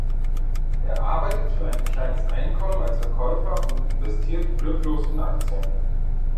Er arbeitet für ein kleines Einkommen als Verkäufer und investiert glücklos in Aktien.